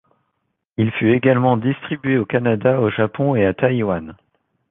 Il fut également distribué au Canada, au Japon et à Taïwan.